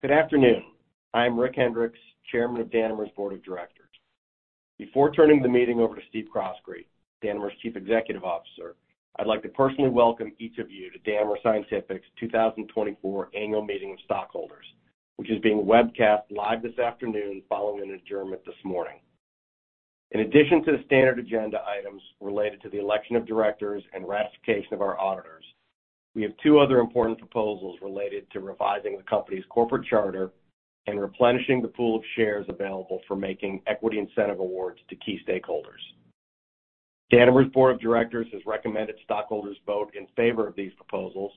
Good afternoon. I'm Rick Hendrix, Chairman of Danimer's Board of Directors. Before turning the meeting over to Steve Croskrey, Danimer's Chief Executive Officer, I'd like to personally welcome each of you to Danimer Scientific's 2024 Annual Meeting of Stockholders, which is being webcast live this afternoon following an adjournment this morning. In addition to the standard agenda items related to the election of directors and ratification of our auditors, we have two other important proposals related to revising the company's corporate charter and replenishing the pool of shares available for making equity incentive awards to key stakeholders. Danimer's Board of Directors has recommended stockholders vote in favor of these proposals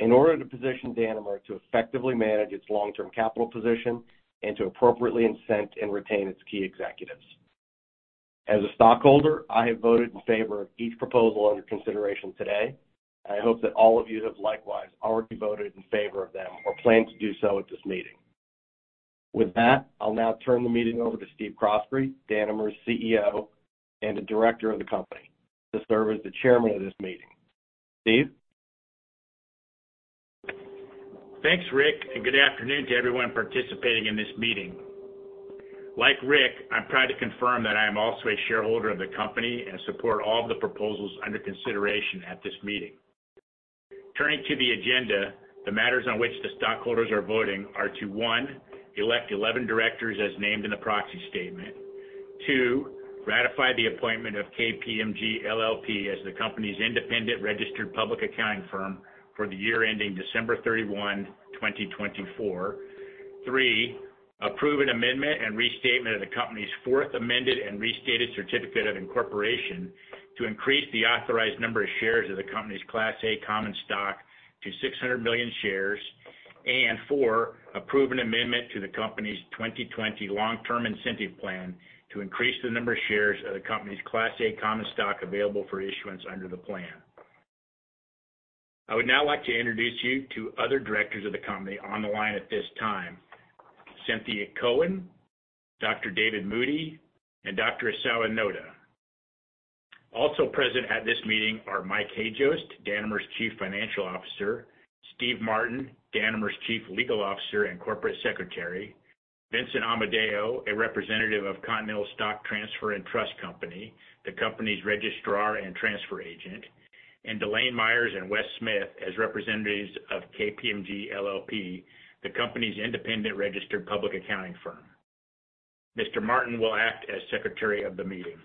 in order to position Danimer to effectively manage its long-term capital position and to appropriately incent and retain its key executives. As a stockholder, I have voted in favor of each proposal under consideration today, and I hope that all of you have likewise already voted in favor of them or plan to do so at this meeting. With that, I'll now turn the meeting over to Steve Croskrey, Danimer's CEO and the Director of the Company, to serve as the Chairman of this meeting. Steve? Thanks, Rick, and good afternoon to everyone participating in this meeting. Like Rick, I'm proud to confirm that I am also a shareholder of the company and support all of the proposals under consideration at this meeting. Turning to the agenda, the matters on which the stockholders are voting are to: 1, elect 11 directors as named in the proxy statement; 2, ratify the appointment of KPMG LLP as the company's independent registered public accounting firm for the year ending December 31, 2024; 3, approve an amendment and restatement of the company's Fourth Amended and Restated Certificate of Incorporation to increase the authorized number of shares of the company's Class A Common Stock to 600 million shares; and 4, approve an amendment to the company's 2020 Long-Term Incentive Plan to increase the number of shares of the company's Class A Common Stock available for issuance under the plan. I would now like to introduce you to other directors of the company on the line at this time: Cynthia Cohen, Dr. David Moody, and Dr. Isao Noda. Also present at this meeting are Mike Hajost, Danimer's Chief Financial Officer; Steve Martin, Danimer's Chief Legal Officer and Corporate Secretary; Vincent Amadeo, a representative of Continental Stock Transfer & Trust Company, the company's registrar and transfer agent; and Delane Myers and Wes Smith as representatives of KPMG LLP, the company's independent registered public accounting firm. Mr. Martin will act as Secretary of the Meeting.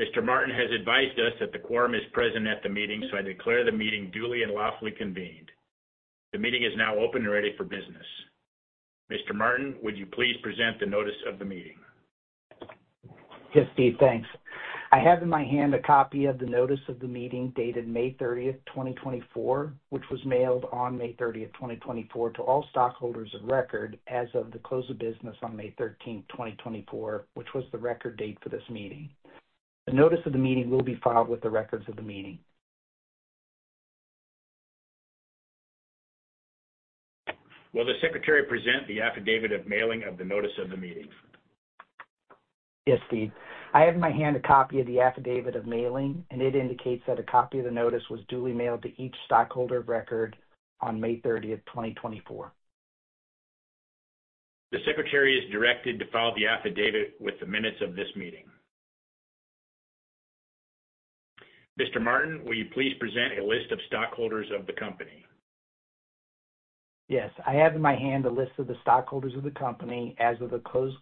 Mr. Martin has advised us that the quorum is present at the meeting, so I declare the meeting duly and lawfully convened. The meeting is now open and ready for business. Mr. Martin, would you please present the notice of the meeting? Yes, Steve, thanks. I have in my hand a copy of the notice of the meeting dated May 30, 2024, which was mailed on May 30, 2024, to all stockholders of record as of the close of business on May 13, 2024, which was the record date for this meeting. The notice of the meeting will be filed with the records of the meeting. Will the Secretary present the affidavit of mailing of the notice of the meeting? Yes, Steve. I have in my hand a copy of the affidavit of mailing, and it indicates that a copy of the notice was duly mailed to each stockholder of record on May 30, 2024. The Secretary is directed to file the affidavit with the minutes of this meeting. Mr. Martin, will you please present a list of stockholders of the company? Yes. I have in my hand a list of the stockholders of the company as of the close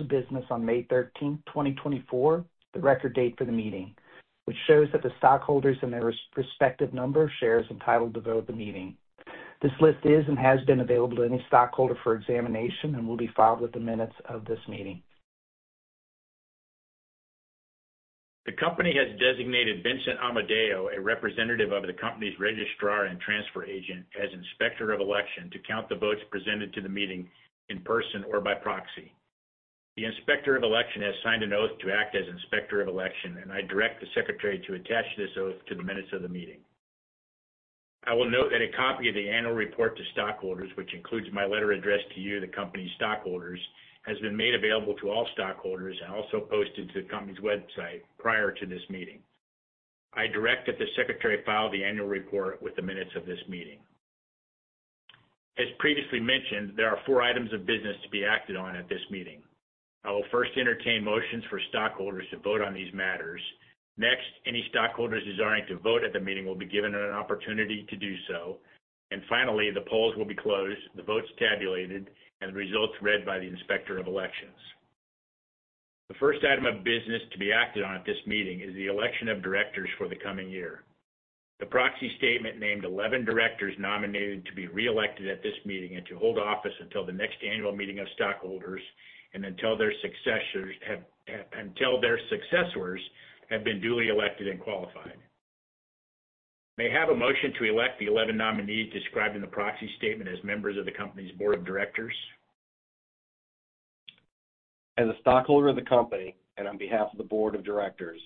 of business on May 13, 2024, the record date for the meeting, which shows that the stockholders and their respective number of shares entitled to vote at the meeting. This list is and has been available to any stockholder for examination and will be filed with the minutes of this meeting. The company has designated Vincent Amadeo, a representative of the company's registrar and transfer agent, as Inspector of Election to count the votes presented to the meeting in person or by proxy. The Inspector of Election has signed an oath to act as Inspector of Election, and I direct the Secretary to attach this oath to the minutes of the meeting. I will note that a copy of the annual report to stockholders, which includes my letter addressed to you, the company's stockholders, has been made available to all stockholders and also posted to the company's website prior to this meeting. I direct that the Secretary file the annual report with the minutes of this meeting. As previously mentioned, there are four items of business to be acted on at this meeting. I will first entertain motions for stockholders to vote on these matters. Next, any stockholders desiring to vote at the meeting will be given an opportunity to do so. Finally, the polls will be closed, the votes tabulated, and the results read by the Inspector of Elections. The first item of business to be acted on at this meeting is the election of directors for the coming year. The proxy statement named 11 directors nominated to be re-elected at this meeting and to hold office until the next annual meeting of stockholders and until their successors have been duly elected and qualified. May I have a motion to elect the 11 nominees described in the proxy statement as members of the company's Board of Directors? As a stockholder of the company and on behalf of the Board of Directors,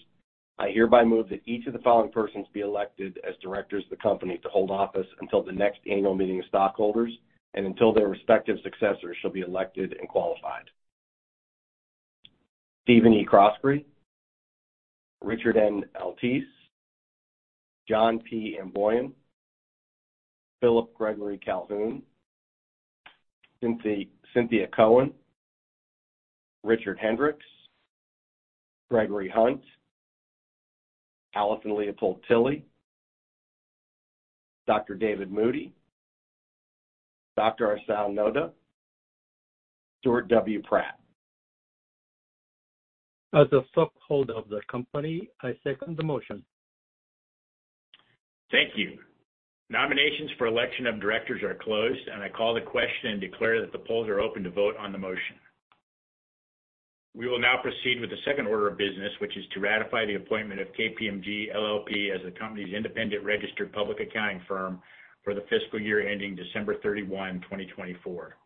I hereby move that each of the following persons be elected as directors of the company to hold office until the next annual meeting of stockholders and until their respective successors shall be elected and qualified: Stephen E. Croskrey, Richard N. Altice, John P. Amboian, Philip Gregory Calhoun, Cynthia Cohen, Richard Hendrix, Gregory Hunt, Allison Leopold Tilley, Dr. David Moody, Dr. Isao Noda, Stuart W. Pratt. As a stockholder of the company, I second the motion. Thank you. Nominations for election of directors are closed, and I call the question and declare that the polls are open to vote on the motion. We will now proceed with the second order of business, which is to ratify the appointment of KPMG LLP as the company's independent registered public accounting firm for the fiscal year ending December 31, 2024.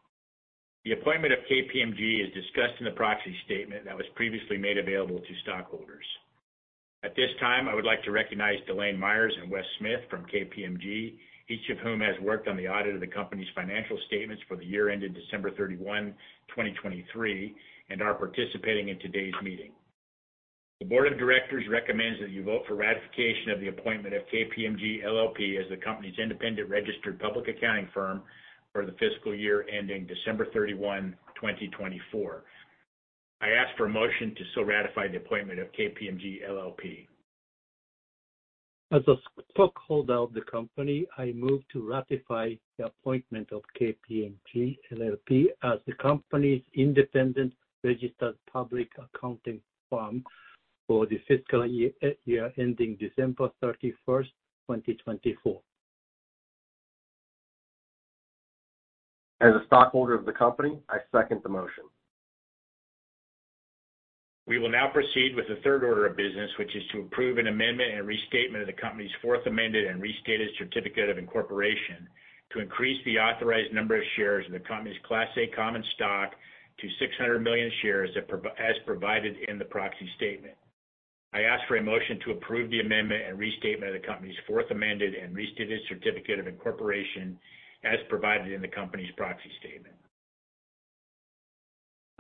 The appointment of KPMG is discussed in the proxy statement that was previously made available to stockholders. At this time, I would like to recognize Delaine Myers and Wes Smith from KPMG, each of whom has worked on the audit of the company's financial statements for the year ended December 31, 2023, and are participating in today's meeting. The Board of Directors recommends that you vote for ratification of the appointment of KPMG LLP as the company's independent registered public accounting firm for the fiscal year ending December 31, 2024. I ask for a motion to still ratify the appointment of KPMG LLP. As a stockholder of the company, I move to ratify the appointment of KPMG LLP as the company's independent registered public accounting firm for the fiscal year ending December 31st, 2024. As a stockholder of the company, I second the motion. We will now proceed with the third order of business, which is to approve an amendment and restatement of the company's Fourth Amended and Restated Certificate of Incorporation to increase the authorized number of shares of the company's Class A Common Stock to 600 million shares as provided in the proxy statement. I ask for a motion to approve the amendment and restatement of the company's Fourth Amended and Restated Certificate of Incorporation as provided in the company's proxy statement.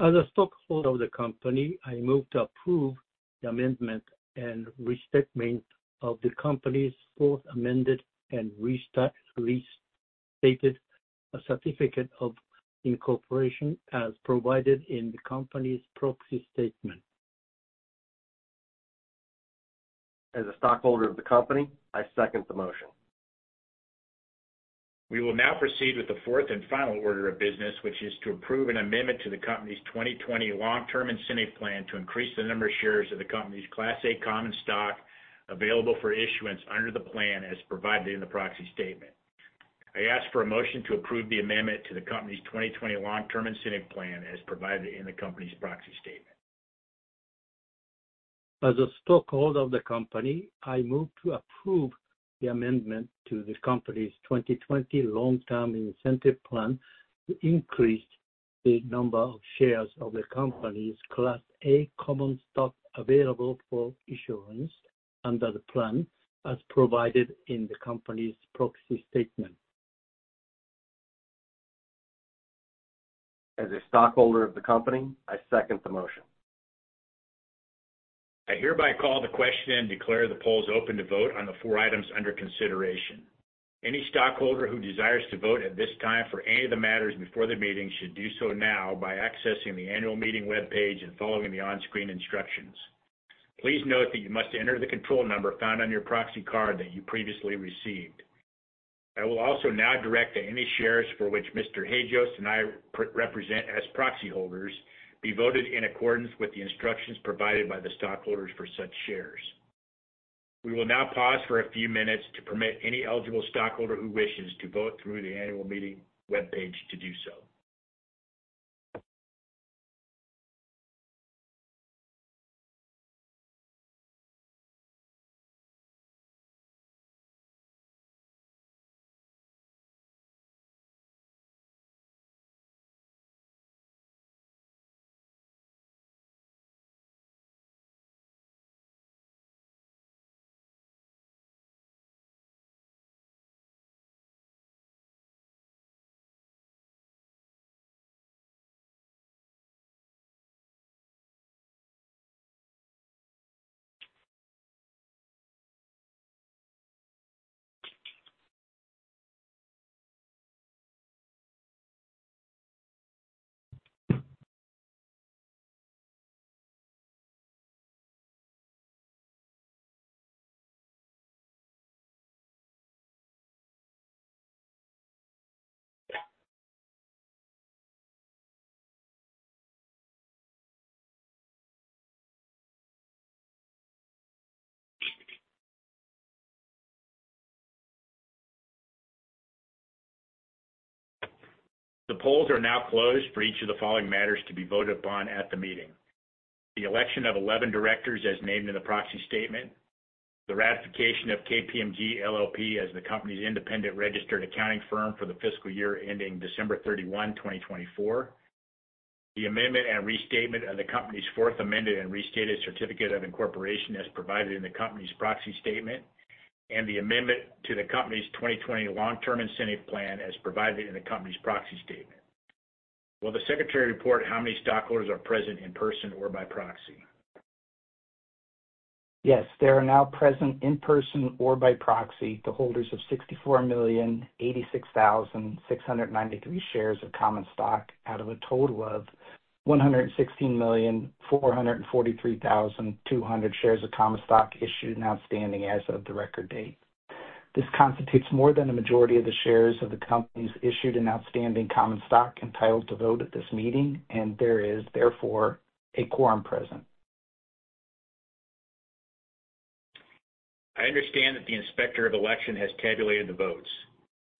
As a stockholder of the company, I move to approve the amendment and restatement of the company's Fourth Amended and Restated Certificate of Incorporation as provided in the company's proxy statement. As a stockholder of the company, I second the motion. We will now proceed with the fourth and final order of business, which is to approve an amendment to the company's 2020 Long-Term Incentive Plan to increase the number of shares of the company's Class A Common Stock available for issuance under the plan as provided in the proxy statement. I ask for a motion to approve the amendment to the company's 2020 Long-Term Incentive Plan as provided in the company's proxy statement. As a stockholder of the company, I move to approve the amendment to the company's 2020 Long-Term Incentive Plan to increase the number of shares of the company's Class A Common Stock available for issuance under the plan as provided in the company's proxy statement. As a stockholder of the company, I second the motion. I hereby call the question and declare the polls open to vote on the four items under consideration. Any stockholder who desires to vote at this time for any of the matters before the meeting should do so now by accessing the annual meeting web page and following the on-screen instructions. Please note that you must enter the control number found on your proxy card that you previously received. I will also now direct that any shares for which Mr. Hajost and I represent as proxy holders be voted in accordance with the instructions provided by the stockholders for such shares. We will now pause for a few minutes to permit any eligible stockholder who wishes to vote through the annual meeting web page to do so. The polls are now closed for each of the following matters to be voted upon at the meeting: the election of 11 directors as named in the proxy statement, the ratification of KPMG LLP as the company's independent registered accounting firm for the fiscal year ending December 31, 2024, the amendment and restatement of the company's Fourth Amended and Restated Certificate of Incorporation as provided in the company's proxy statement, and the amendment to the company's 2020 Long-Term Incentive Plan as provided in the company's proxy statement. Will the Secretary report how many stockholders are present in person or by proxy? Yes. There are now present in person or by proxy the holders of 64,086,693 shares of common stock out of a total of 116,443,200 shares of common stock issued and outstanding as of the record date. This constitutes more than a majority of the shares of the company's issued and outstanding common stock entitled to vote at this meeting, and there is, therefore, a quorum present. I understand that the Inspector of Election has tabulated the votes.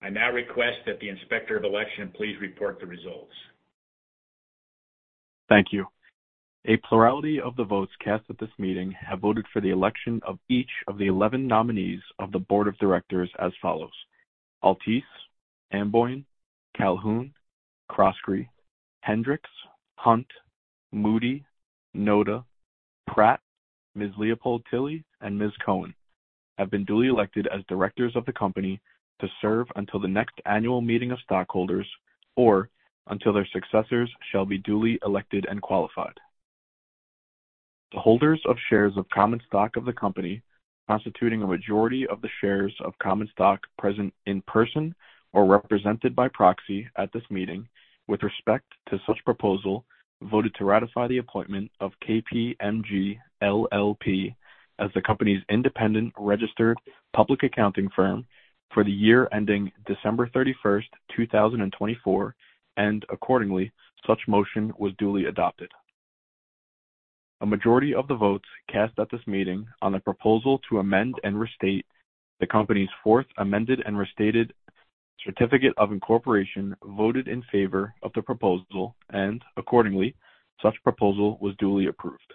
I now request that the Inspector of Election please report the results. Thank you. A plurality of the votes cast at this meeting have voted for the election of each of the 11 nominees of the Board of Directors as follows: Altice, Amboian, Calhoun, Croskrey, Hendrix, Hunt, Moody, Onota, Pratt, Ms. Leopold Tilley, and Ms. Cohen have been duly elected as directors of the company to serve until the next annual meeting of stockholders or until their successors shall be duly elected and qualified. The holders of shares of common stock of the company constituting a majority of the shares of common stock present in person or represented by proxy at this meeting with respect to such proposal voted to ratify the appointment of KPMG LLP as the company's independent registered public accounting firm for the year ending December 31st, 2024, and accordingly, such motion was duly adopted. A majority of the votes cast at this meeting on the proposal to amend and restate the company's Fourth Amended and Restated Certificate of Incorporation voted in favor of the proposal, and accordingly, such proposal was duly approved.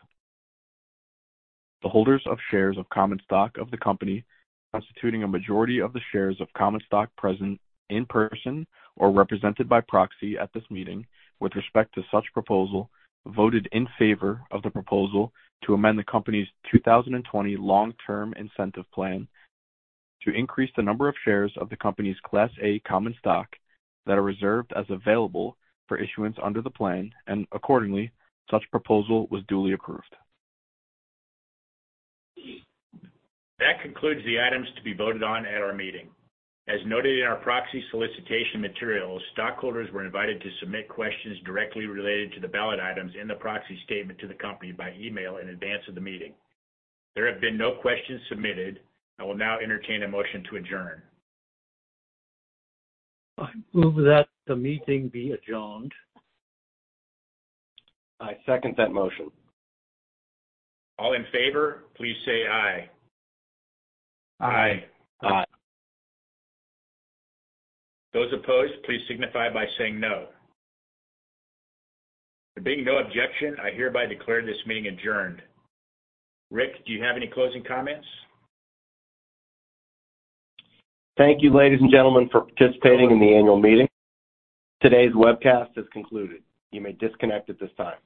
The holders of shares of common stock of the company constituting a majority of the shares of common stock present in person or represented by proxy at this meeting with respect to such proposal voted in favor of the proposal to amend the company's 2020 Long-Term Incentive Plan to increase the number of shares of the company's Class A Common Stock that are reserved as available for issuance under the plan, and accordingly, such proposal was duly approved. That concludes the items to be voted on at our meeting. As noted in our proxy solicitation materials, stockholders were invited to submit questions directly related to the ballot items in the Proxy Statement to the company by email in advance of the meeting. There have been no questions submitted. I will now entertain a motion to adjourn. I move that the meeting be adjourned. I second that motion. All in favor, please say aye. Aye. Aye. Those opposed, please signify by saying no. There being no objection, I hereby declare this meeting adjourned. Rick, do you have any closing comments? Thank you, ladies and gentlemen, for participating in the annual meeting. Today's webcast is concluded. You may disconnect at this time.